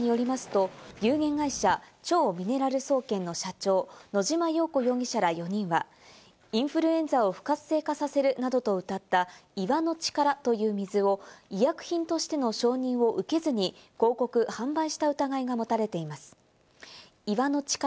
捜査関係者によりますと、有限会社超ミネラル総研の社長、野島洋子容疑者ら４人はインフルエンザを不活性化させるなどとうたった「岩の力」という水を、医薬品としての承認を受けずに広告・販売した疑いが持たれています。